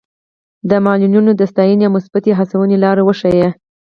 د معلولینو د ستاینې او مثبتې هڅونې لاره ورښيي.